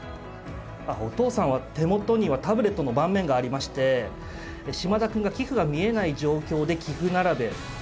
お父さんは手元にはタブレットの盤面がありまして嶋田くんが棋譜が見えない状況で棋譜並べ。